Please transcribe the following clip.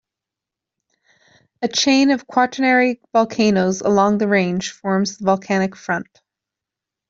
A chain of Quaternary volcanoes along the range forms the volcanic front.